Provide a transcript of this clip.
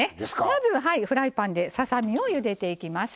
まずフライパンでささ身をゆでていきます。